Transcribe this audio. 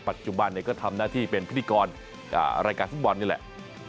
ปัจจุบันก็ทำหน้าที่เป็นพิธีกรรายการฟุตบอลนี่แหละ